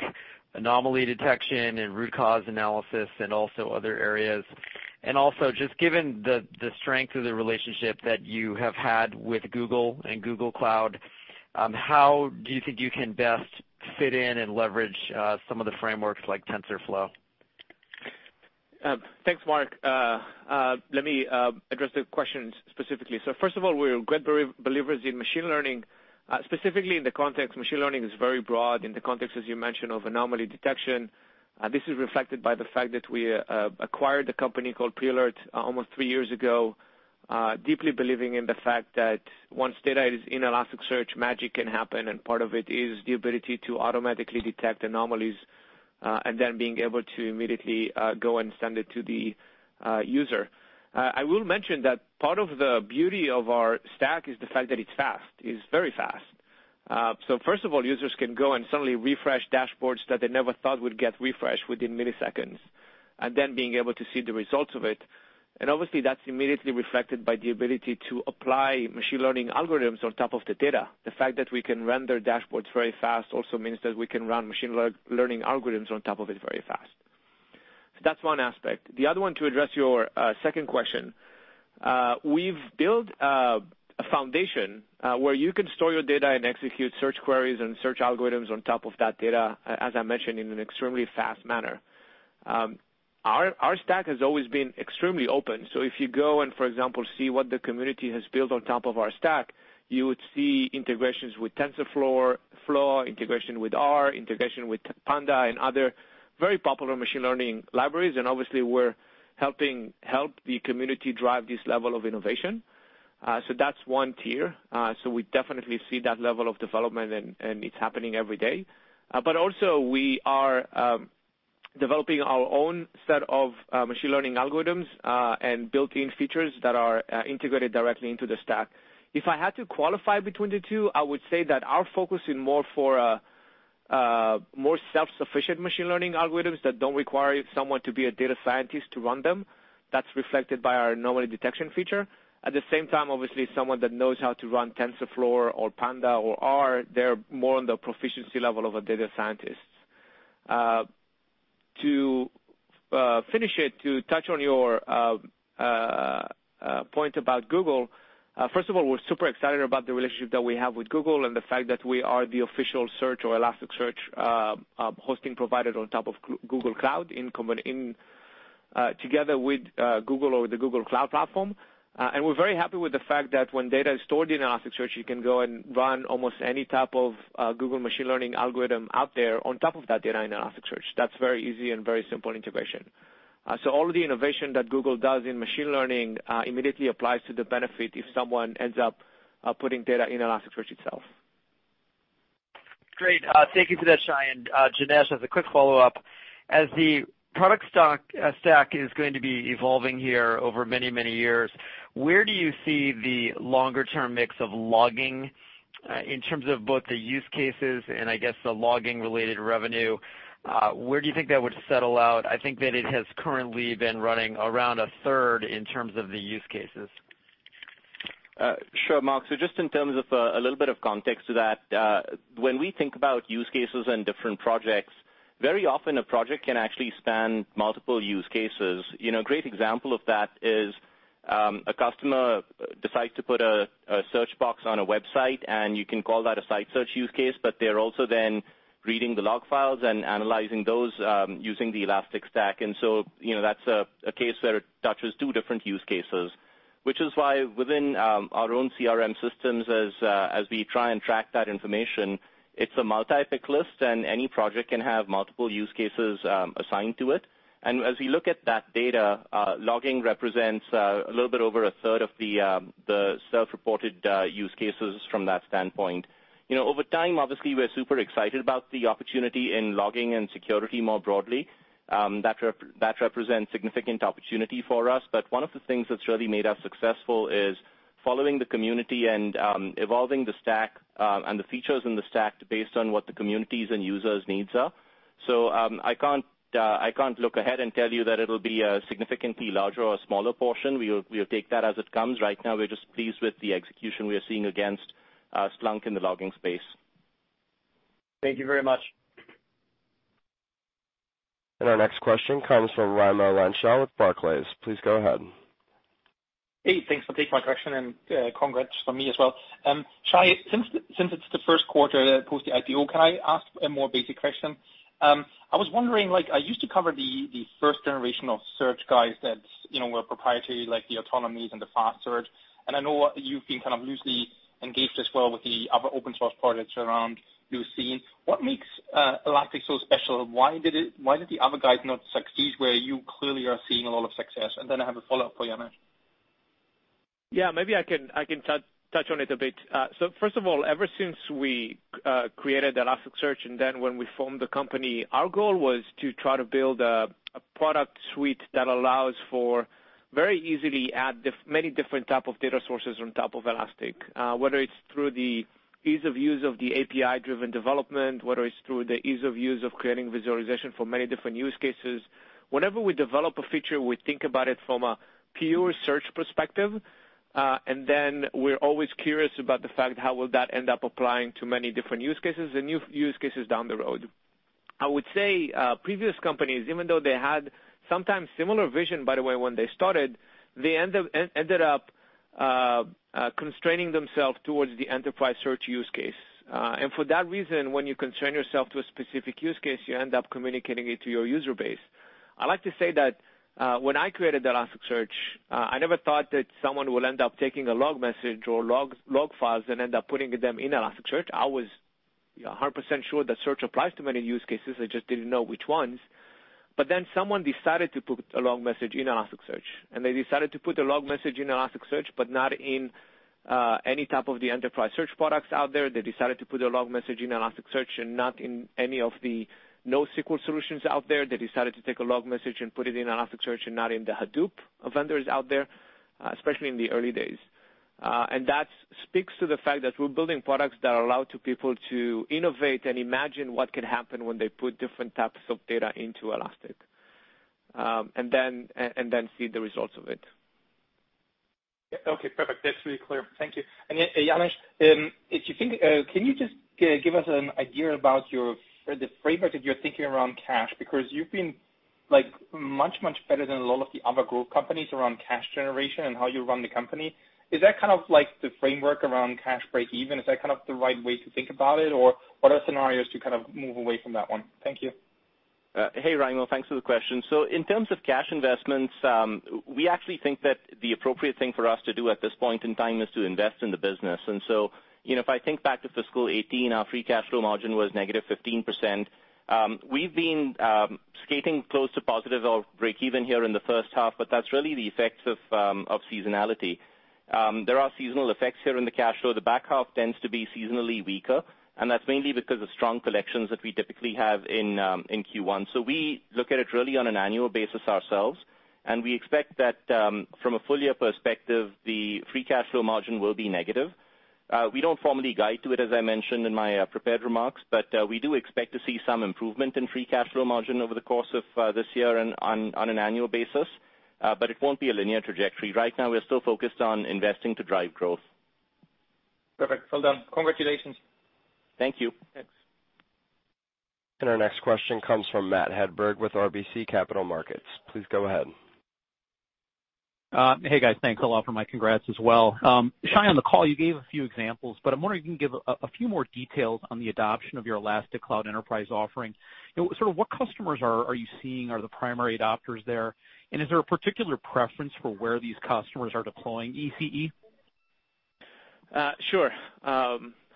S6: anomaly detection and root cause analysis and also other areas? Also, just given the strength of the relationship that you have had with Google and Google Cloud, how do you think you can best fit in and leverage some of the frameworks like TensorFlow?
S3: Thanks, Mark. Let me address the questions specifically. First of all, we're great believers in machine learning, specifically in the context, machine learning is very broad, in the context, as you mentioned, of anomaly detection. This is reflected by the fact that we acquired a company called Prelert almost three years ago, deeply believing in the fact that once data is in Elasticsearch, magic can happen, and part of it is the ability to automatically detect anomalies, and then being able to immediately go and send it to the user. I will mention that part of the beauty of our stack is the fact that it's fast. It's very fast. First of all, users can go and suddenly refresh dashboards that they never thought would get refreshed within milliseconds, and then being able to see the results of it. Obviously, that's immediately reflected by the ability to apply machine learning algorithms on top of the data. The fact that we can render dashboards very fast also means that we can run machine learning algorithms on top of it very fast. That's one aspect. The other one, to address your second question, we've built a foundation where you can store your data and execute search queries and search algorithms on top of that data, as I mentioned, in an extremely fast manner. Our stack has always been extremely open. If you go and, for example, see what the community has built on top of our stack, you would see integrations with TensorFlow, integration with R, integration with Pandas, and other very popular machine learning libraries. Obviously, we help the community drive this level of innovation. That's one tier. We definitely see that level of development, and it's happening every day. Also, we are developing our own set of machine learning algorithms, and built-in features that are integrated directly into the stack. If I had to qualify between the two, I would say that our focus is more for more self-sufficient machine learning algorithms that don't require someone to be a data scientist to run them. That's reflected by our anomaly detection feature. At the same time, obviously, someone that knows how to run TensorFlow or Pandas or R, they're more on the proficiency level of a data scientist. To finish it, to touch on your point about Google, first of all, we're super excited about the relationship that we have with Google and the fact that we are the official search or Elasticsearch, hosting provider on top of Google Cloud together with Google or the Google Cloud Platform. We're very happy with the fact that when data is stored in Elasticsearch, you can go and run almost any type of Google machine learning algorithm out there on top of that data in Elasticsearch. That's very easy and very simple integration. All of the innovation that Google does in machine learning immediately applies to the benefit if someone ends up putting data in Elasticsearch itself.
S6: Great. Thank you for that, Shay. Janesh, as a quick follow-up, as the product stack is going to be evolving here over many, many years, where do you see the longer-term mix of logging in terms of both the use cases and I guess the logging-related revenue? Where do you think that would settle out? I think that it has currently been running around 1/3 in terms of the use cases.
S4: Sure, Mark. Just in terms of a little bit of context to that, when we think about use cases and different projects, very often a project can actually span multiple use cases. A great example of that is a customer decides to put a search box on a website, and you can call that a site search use case, but they're also then reading the log files and analyzing those using the Elastic Stack. That's a case where it touches two different use cases. Which is why within our own CRM systems as we try and track that information, it's a multi-pick list, and any project can have multiple use cases assigned to it. As we look at that data, logging represents a little bit over a third of the self-reported use cases from that standpoint. Over time, obviously, we're super excited about the opportunity in logging and security more broadly. That represents significant opportunity for us. One of the things that's really made us successful is following the community and evolving the stack, and the features in the stack based on what the communities and users' needs are. I can't look ahead and tell you that it'll be a significantly larger or smaller portion. We'll take that as it comes. Right now, we're just pleased with the execution we are seeing against Splunk in the logging space.
S6: Thank you very much.
S1: Our next question comes from Raimo Lenschow with Barclays. Please go ahead.
S7: Hey, thanks for taking my question. Congrats from me as well. Shay, since it's the first quarter post the IPO, can I ask a more basic question? I was wondering, I used to cover the first generation of search guys that were proprietary, like the Autonomies and the Fast Search. I know you've been kind of loosely engaged as well with the other open source projects around Lucene. What makes Elastic so special? Why did the other guys not succeed where you clearly are seeing a lot of success? Then I have a follow-up for Janesh.
S3: Yeah, maybe I can touch on it a bit. First of all, ever since we created Elasticsearch when we formed the company, our goal was to try to build a product suite that allows for very easily add many different type of data sources on top of Elastic. Whether it's through the ease of use of the API-driven development, whether it's through the ease of use of creating visualization for many different use cases. Whenever we develop a feature, we think about it from a pure search perspective, we're always curious about the fact how will that end up applying to many different use cases and new use cases down the road. I would say previous companies, even though they had sometimes similar vision, by the way, when they started, they ended up constraining themselves towards the enterprise search use case. For that reason, when you constrain yourself to a specific use case, you end up communicating it to your user base. I like to say that when I created Elasticsearch, I never thought that someone will end up taking a log message or log files and end up putting them in Elasticsearch. I was 100% sure that search applies to many use cases. I just didn't know which ones. Someone decided to put a log message in Elasticsearch, they decided to put a log message in Elasticsearch, but not in any type of the enterprise search products out there. They decided to put a log message in Elasticsearch and not in any of the NoSQL solutions out there. They decided to take a log message and put it in Elasticsearch and not in the Hadoop vendors out there, especially in the early days. That speaks to the fact that we're building products that allow to people to innovate and imagine what could happen when they put different types of data into Elastic. Then see the results of it.
S7: Okay, perfect. That's really clear. Thank you. Janesh, can you just give us an idea about the framework of your thinking around cash? Because you've been much, much better than a lot of the other growth companies around cash generation and how you run the company. Is that the framework around cash breakeven? Is that the right way to think about it, or what are scenarios to move away from that one? Thank you.
S4: Hey, Raimo. Thanks for the question. In terms of cash investments, we actually think that the appropriate thing for us to do at this point in time is to invest in the business. If I think back to fiscal 2018, our free cash flow margin was -15%. We've been skating close to positive or breakeven here in the first half, but that's really the effects of seasonality. There are seasonal effects here in the cash flow. The back half tends to be seasonally weaker, and that's mainly because of strong collections that we typically have in Q1. We look at it really on an annual basis ourselves, and we expect that, from a full year perspective, the free cash flow margin will be negative. We don't formally guide to it, as I mentioned in my prepared remarks, we do expect to see some improvement in free cash flow margin over the course of this year and on an annual basis. It won't be a linear trajectory. Right now, we're still focused on investing to drive growth.
S7: Perfect. Well done. Congratulations.
S4: Thank you.
S7: Thanks.
S1: Our next question comes from Matthew Hedberg with RBC Capital Markets. Please go ahead.
S8: Hey, guys. Thanks a lot for my congrats as well. Shay, on the call, you gave a few examples. I'm wondering if you can give a few more details on the adoption of your Elastic Cloud Enterprise offering. What customers are you seeing are the primary adopters there, and is there a particular preference for where these customers are deploying ECE?
S3: Sure.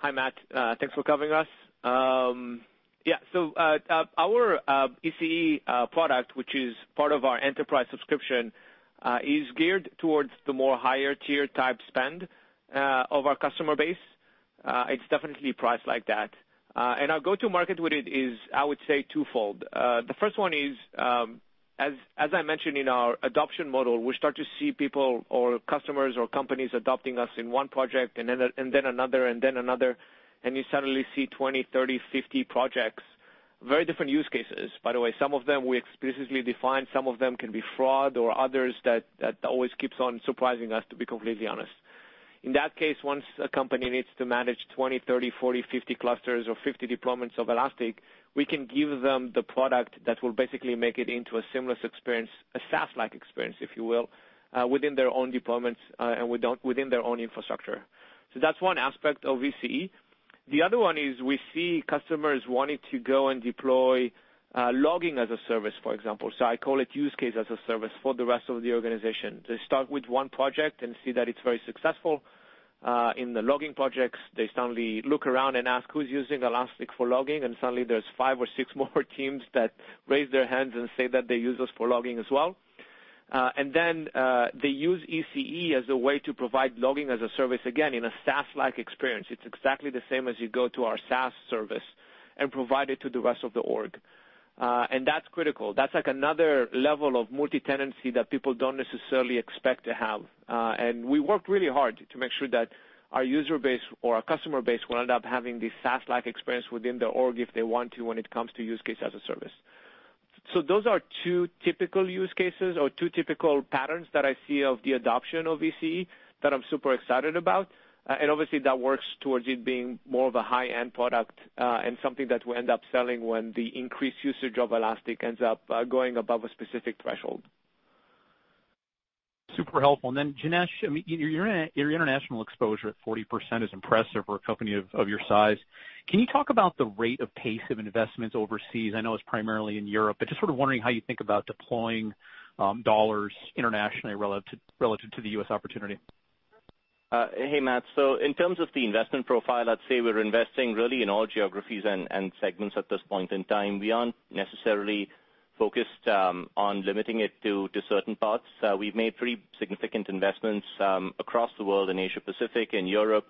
S3: Hi, Matt. Thanks for covering us. Yeah. Our ECE product, which is part of our enterprise subscription, is geared towards the more higher-tier type spend, of our customer base. It's definitely priced like that. Our go-to market with it is, I would say, twofold. The first one is, as I mentioned in our adoption model, we start to see people or customers or companies adopting us in one project and then another and then another, and you suddenly see 20, 30, 50 projects. Very different use cases, by the way. Some of them we explicitly define. Some of them can be fraud or others that always keeps on surprising us, to be completely honest. In that case, once a company needs to manage 20, 30, 40, 50 clusters or 50 deployments of Elastic, we can give them the product that will basically make it into a seamless experience, a SaaS-like experience, if you will, within their own deployments, and within their own infrastructure. That's one aspect of ECE. The other one is we see customers wanting to go and deploy logging as a service, for example. I call it use case as a service for the rest of the organization. They start with one project and see that it's very successful. In the logging projects, they suddenly look around and ask who's using Elastic for logging, and suddenly there's five or six more teams that raise their hands and say that they use us for logging as well.
S4: They use ECE as a way to provide logging-as-a-service, again, in a SaaS-like experience. It's exactly the same as you go to our SaaS service and provide it to the rest of the org. That's critical. That's like another level of multi-tenancy that people don't necessarily expect to have. We worked really hard to make sure that our user base or our customer base will end up having the SaaS-like experience within the org if they want to when it comes to use case as a service. Those are two typical use cases or two typical patterns that I see of the adoption of ECE that I'm super excited about. Obviously that works towards it being more of a high-end product, and something that we end up selling when the increased usage of Elastic ends up going above a specific threshold.
S8: Super helpful. Janesh, your international exposure at 40% is impressive for a company of your size. Can you talk about the rate of pace of investments overseas? I know it's primarily in Europe, but just sort of wondering how you think about deploying dollars internationally relative to the U.S. opportunity.
S4: Hey, Matt. In terms of the investment profile, I'd say we're investing really in all geographies and segments at this point in time. We aren't necessarily focused on limiting it to certain parts. We've made pretty significant investments across the world in Asia-Pacific and Europe.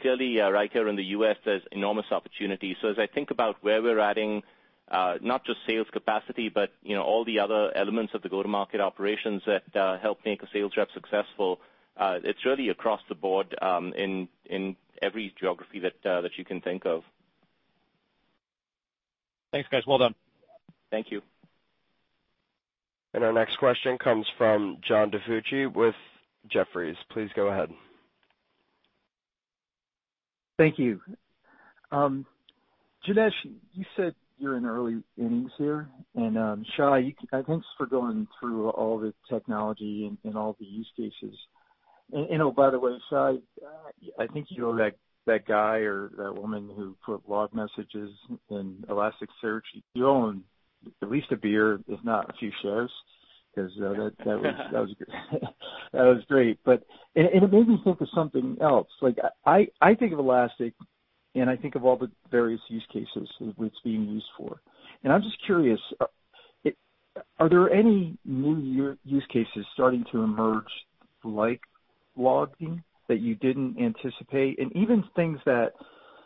S4: Clearly, right here in the U.S., there's enormous opportunity. As I think about where we're adding, not just sales capacity, but all the other elements of the go-to-market operations that help make a sales rep successful, it's really across the board in every geography that you can think of.
S8: Thanks, guys. Well done.
S4: Thank you.
S1: Our next question comes from John DiFucci with Jefferies. Please go ahead.
S9: Thank you. Janesh, you said you're in early innings here, Shay, thanks for going through all the technology and all the use cases. Oh, by the way, Shay, I think you owe that guy or that woman who put log messages in Elasticsearch, you owe him at least a beer, if not a few shares, because that was great. It made me think of something else. I think of Elastic, and I think of all the various use cases, what it's being used for. I'm just curious, are there any new use cases starting to emerge, like logging, that you didn't anticipate? Even things that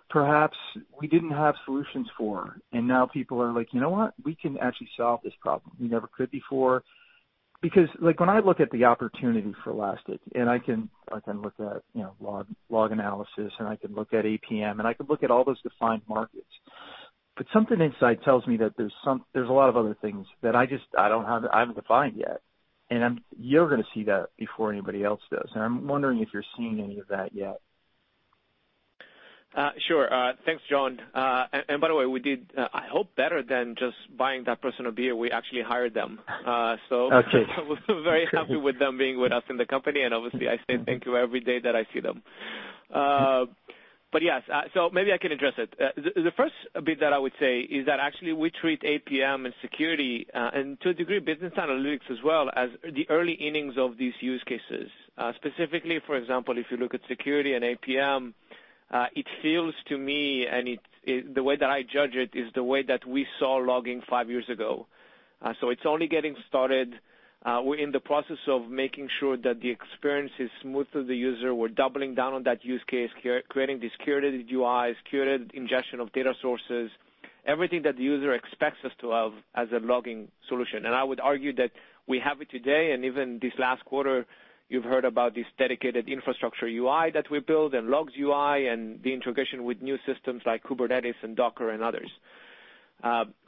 S9: perhaps we didn't have solutions for, and now people are like, "You know what? We can actually solve this problem. We never could before." When I look at the opportunity for Elastic, I can look at log analysis, I can look at APM, I can look at all those defined markets. Something inside tells me that there's a lot of other things that I haven't defined yet. You're going to see that before anybody else does. I'm wondering if you're seeing any of that yet.
S3: Sure. Thanks, John. By the way, we did, I hope, better than just buying that person a beer. We actually hired them. Okay. I was very happy with them being with us in the company, and obviously I say thank you every day that I see them. Yes. Maybe I can address it. The first bit that I would say is that actually we treat APM and security, and to a degree, business analytics as well, as the early innings of these use cases. Specifically, for example, if you look at security and APM, it feels to me, and the way that I judge it, is the way that we saw logging five years ago. It's only getting started. We're in the process of making sure that the experience is smooth to the user. We're doubling down on that use case, creating these curated UIs, curated ingestion of data sources, everything that the user expects us to have as a logging solution. I would argue that we have it today. Even this last quarter, you've heard about this dedicated infrastructure UI that we built and logs UI and the integration with new systems like Kubernetes and Docker and others.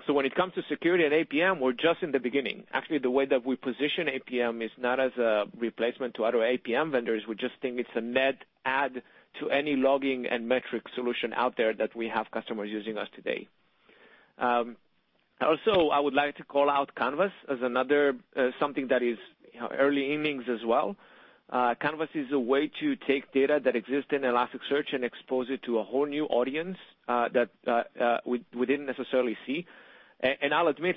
S3: When it comes to security and APM, we're just in the beginning. Actually, the way that we position APM is not as a replacement to other APM vendors. We just think it's a net add to any logging and metric solution out there that we have customers using us today. Also, I would like to call out Canvas as something that is early innings as well. Canvas is a way to take data that exists in Elasticsearch and expose it to a whole new audience that we didn't necessarily see. I'll admit,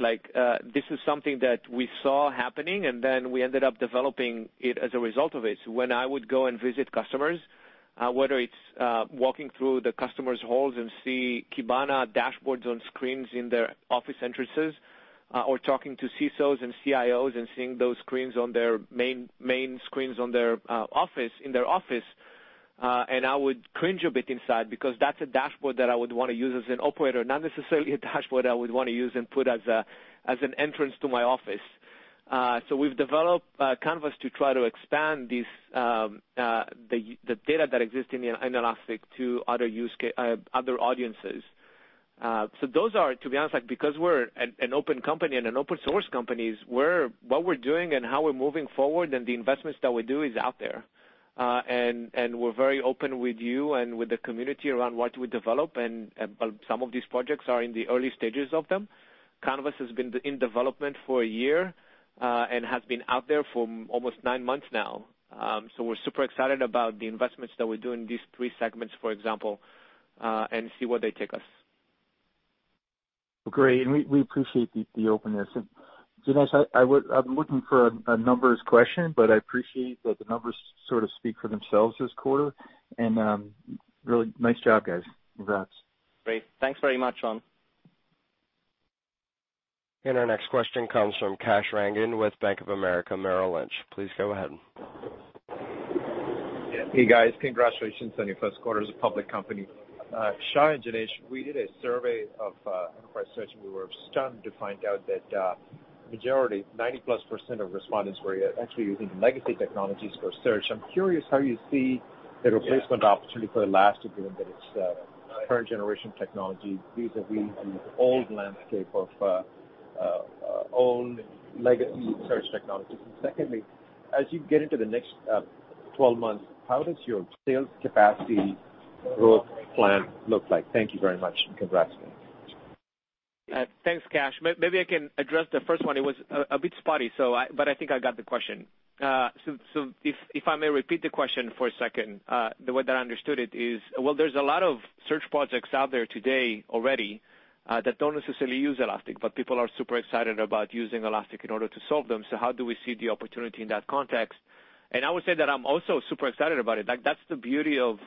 S3: this is something that we saw happening, then we ended up developing it as a result of it. When I would go and visit customers, whether it's walking through the customer's halls and see Kibana dashboards on screens in their office entrances, or talking to CSOs and CIOs and seeing those screens on their main screens in their office. I would cringe a bit inside because that's a dashboard that I would want to use as an operator, not necessarily a dashboard I would want to use and put as an entrance to my office. We've developed Canvas to try to expand the data that exists in the Elastic to other audiences. Those are, to be honest, because we're an open company and an open source company, what we're doing and how we're moving forward and the investments that we do is out there. We're very open with you and with the community around what we develop. Some of these projects are in the early stages of them. Canvas has been in development for a year, has been out there for almost nine months now. We're super excited about the investments that we do in these three segments, for example, and see where they take us.
S9: Great, we appreciate the openness. Janesh, I'm looking for a numbers question, I appreciate that the numbers sort of speak for themselves this quarter. Really nice job, guys. Congrats.
S3: Great. Thanks very much, John.
S1: Our next question comes from Kash Rangan with Bank of America Merrill Lynch. Please go ahead.
S10: Hey, guys. Congratulations on your first quarter as a public company. Shay and Janesh, we did a survey of enterprise search, and we were stunned to find out that a majority, 90% plus of respondents, were actually using legacy technologies for search. I am curious how you see the replacement opportunity for Elastic, given that it is a current generation technology vis-à-vis the old landscape of old legacy search technologies. Secondly, as you get into the next 12 months, how does your sales capacity growth plan look like? Thank you very much, and congrats.
S3: Thanks, Kash. Maybe I can address the first one. It was a bit spotty, but I think I got the question. If I may repeat the question for a second. The way that I understood it is, well, there is a lot of search projects out there today already, that don't necessarily use Elastic, but people are super excited about using Elastic in order to solve them. How do we see the opportunity in that context? I would say that I am also super excited about it. That is the beauty of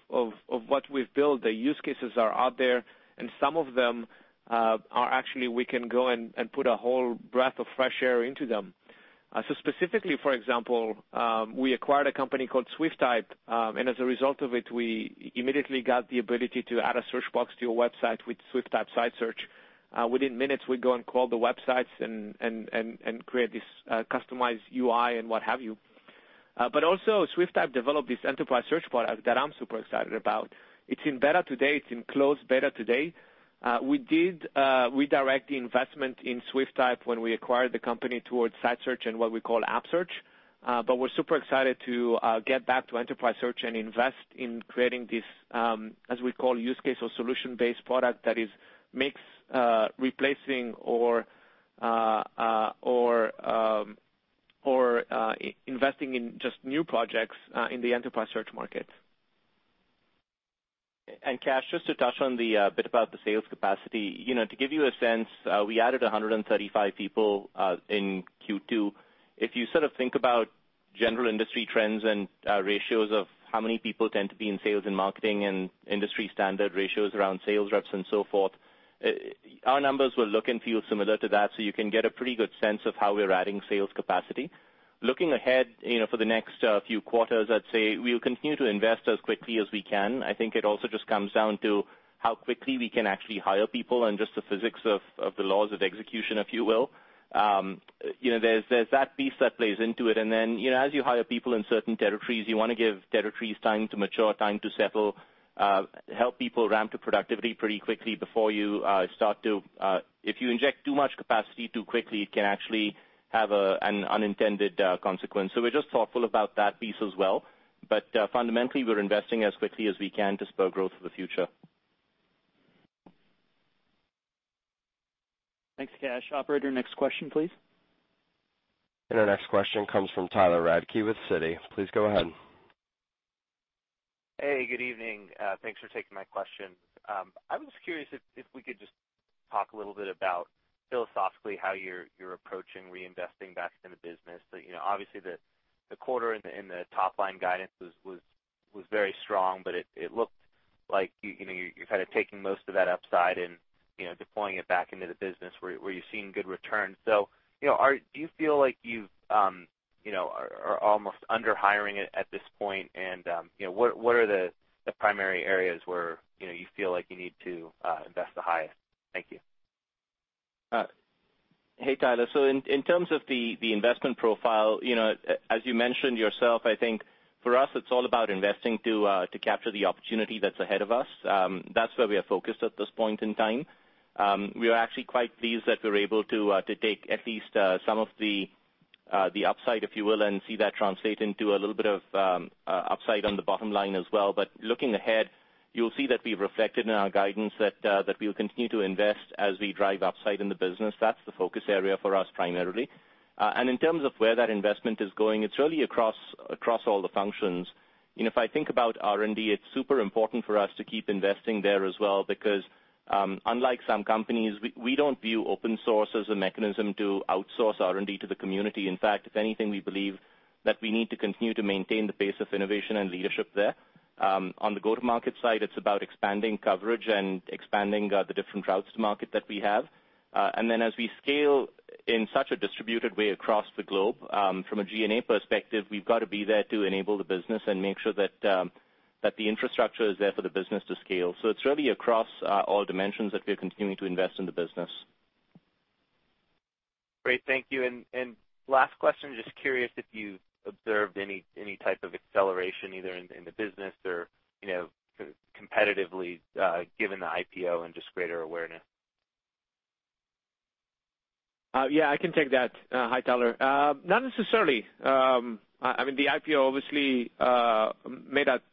S3: what we have built. The use cases are out there, and some of them are actually, we can go and put a whole breath of fresh air into them. Specifically, for example, we acquired a company called Swiftype, and as a result of it, we immediately got the ability to add a search box to a website with Swiftype Site Search. Within minutes, we go and crawl the websites and create this customized UI and what have you. Also, Swiftype developed this enterprise search product that I am super excited about. It is in beta today. It is in closed beta today. We did redirect the investment in Swiftype when we acquired the company towards Site Search and what we call App Search. We are super excited to get back to enterprise search and invest in creating this, as we call, use case or solution-based product that makes replacing or investing in just new projects in the enterprise search market.
S4: Kash, just to touch on the bit about the sales capacity. To give you a sense, we added 135 people in Q2. If you sort of think about general industry trends and ratios of how many people tend to be in sales and marketing and industry standard ratios around sales reps and so forth, our numbers will look and feel similar to that. You can get a pretty good sense of how we're adding sales capacity. Looking ahead for the next few quarters, I'd say we'll continue to invest as quickly as we can. I think it also just comes down to how quickly we can actually hire people and just the physics of the laws of execution, if you will. There's that piece that plays into it, and then as you hire people in certain territories, you want to give territories time to mature, time to settle, help people ramp to productivity pretty quickly before you start to. If you inject too much capacity too quickly, it can actually have an unintended consequence. We're just thoughtful about that piece as well. Fundamentally, we're investing as quickly as we can to spur growth for the future. Thanks, Kash. Operator, next question, please.
S1: Our next question comes from Tyler Radke with Citi. Please go ahead.
S11: Hey, good evening. Thanks for taking my question. I was curious if we could just talk a little bit about philosophically how you're approaching reinvesting back in the business. Obviously, the quarter and the top-line guidance was very strong, but it looked like you're taking most of that upside and deploying it back into the business where you're seeing good returns. Do you feel like you are almost under hiring at this point, and what are the primary areas where you feel like you need to invest the highest? Thank you.
S4: Hey, Tyler. In terms of the investment profile, as you mentioned yourself, I think for us, it's all about investing to capture the opportunity that's ahead of us. That's where we are focused at this point in time. We are actually quite pleased that we're able to take at least some of the upside, if you will, and see that translate into a little bit of upside on the bottom line as well. Looking ahead, you'll see that we've reflected in our guidance that we'll continue to invest as we drive upside in the business. That's the focus area for us primarily. In terms of where that investment is going, it's really across all the functions. If I think about R&D, it's super important for us to keep investing there as well because, unlike some companies, we don't view open source as a mechanism to outsource R&D to the community. In fact, if anything, we believe that we need to continue to maintain the pace of innovation and leadership there. On the go-to-market side, it's about expanding coverage and expanding the different routes to market that we have. As we scale in such a distributed way across the globe, from a G&A perspective, we've got to be there to enable the business and make sure that the infrastructure is there for the business to scale. It's really across all dimensions that we are continuing to invest in the business.
S11: Great. Thank you. Last question, just curious if you've observed any type of acceleration either in the business or competitively, given the IPO and just greater awareness.
S3: Yeah, I can take that. Hi, Tyler. Not necessarily. The IPO obviously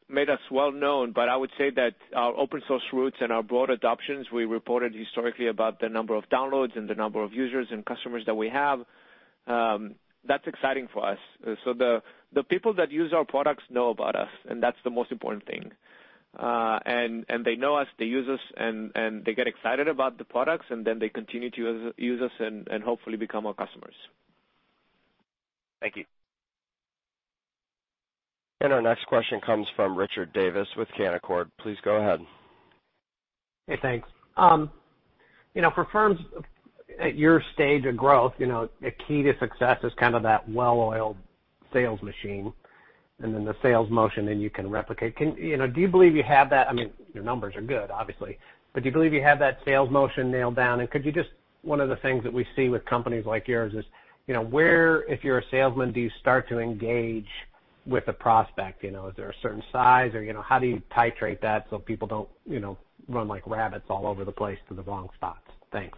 S3: made us well-known, I would say that our open source routes and our broad adoptions, we reported historically about the number of downloads and the number of users and customers that we have. That's exciting for us. The people that use our products know about us, and that's the most important thing. They know us, they use us, and they get excited about the products, they continue to use us and hopefully become our customers.
S11: Thank you.
S1: Our next question comes from Richard Davis with Canaccord. Please go ahead.
S12: Hey, thanks. For firms at your stage of growth, the key to success is kind of that well-oiled sales machine and then the sales motion that you can replicate. Do you believe you have that? Your numbers are good, obviously, but do you believe you have that sales motion nailed down? Could you, one of the things that we see with companies like yours is, where if you're a salesman, do you start to engage with the prospect? Is there a certain size, or how do you titrate that so people don't run like rabbits all over the place to the wrong spots? Thanks.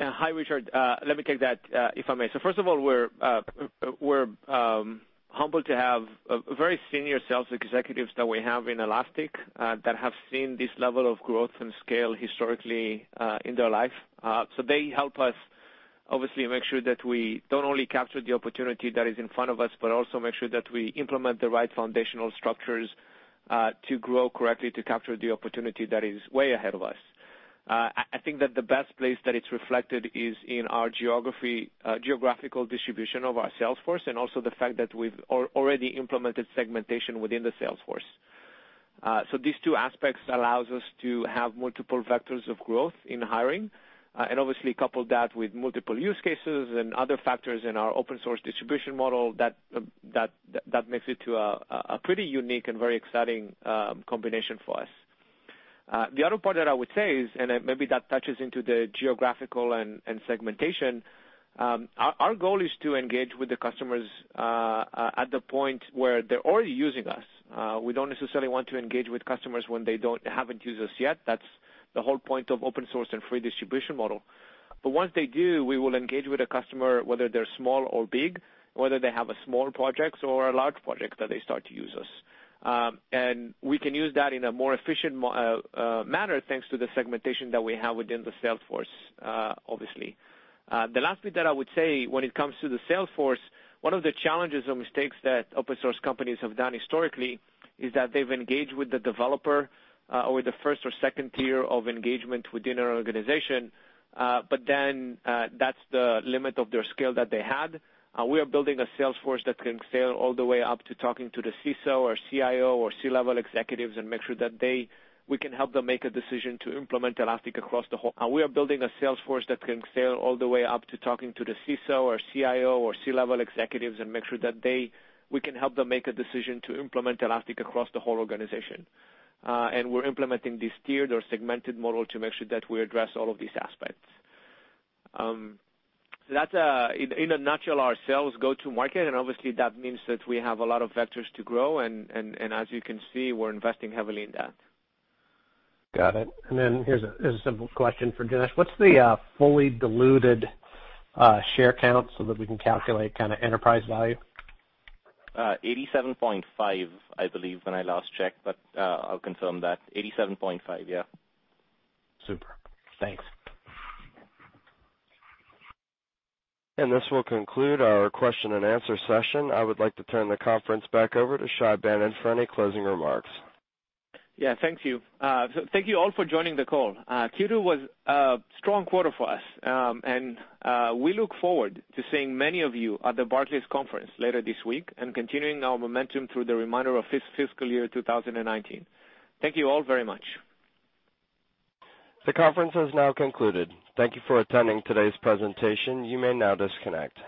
S3: Hi, Richard. Let me take that, if I may. First of all, we're humbled to have very senior sales executives that we have in Elastic that have seen this level of growth and scale historically in their life. They help us obviously make sure that we don't only capture the opportunity that is in front of us, but also make sure that we implement the right foundational structures to grow correctly to capture the opportunity that is way ahead of us. I think that the best place that it's reflected is in our geographical distribution of our sales force, and also the fact that we've already implemented segmentation within the sales force. These two aspects allows us to have multiple vectors of growth in hiring. Obviously couple that with multiple use cases and other factors in our open source distribution model, that makes it to a pretty unique and very exciting combination for us. The other part that I would say is, and maybe that touches into the geographical and segmentation, our goal is to engage with the customers at the point where they're already using us. We don't necessarily want to engage with customers when they haven't used us yet. That's the whole point of open source and free distribution model. But once they do, we will engage with a customer, whether they're small or big, whether they have a small project or a large project that they start to use us. We can use that in a more efficient manner, thanks to the segmentation that we have within the sales force, obviously. The last bit that I would say when it comes to the sales force, one of the challenges or mistakes that open source companies have done historically is that they've engaged with the developer or with the first or second tier of engagement within an organization, but then that's the limit of their scale that they had. We are building a sales force that can scale all the way up to talking to the CISO or CIO or C-level executives and make sure that we can help them make a decision to implement Elastic across the whole organization. We're implementing this tiered or segmented model to make sure that we address all of these aspects. That's in a nutshell, our sales go-to-market, and obviously that means that we have a lot of vectors to grow, and as you can see, we're investing heavily in that.
S12: Got it. Then here's a simple question for Janesh. What's the fully diluted share count so that we can calculate enterprise value?
S4: 87.5, I believe, when I last checked, but I'll confirm that. 87.5, yeah.
S12: Super. Thanks.
S1: This will conclude our question and answer session. I would like to turn the conference back over to Shay Banon for any closing remarks.
S3: Yeah. Thank you. Thank you all for joining the call. Q2 was a strong quarter for us. We look forward to seeing many of you at the Barclays Conference later this week and continuing our momentum through the remainder of fiscal year 2019. Thank you all very much.
S1: The conference has now concluded. Thank you for attending today's presentation. You may now disconnect.